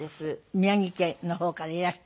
宮城県の方からいらして。